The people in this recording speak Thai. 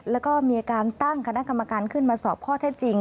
แล้วก็มีการตั้งคณะกรรมการขึ้นมาสอบข้อเท็จจริง